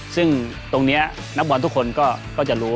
ซึ่งตรงนี้นักบอลทุกคนก็จะรู้